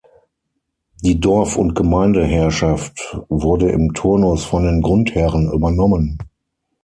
Die Dorf- und Gemeindeherrschaft wurde im Turnus von den Grundherren übernommen.